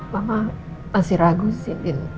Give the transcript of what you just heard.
mama masih ragu sih din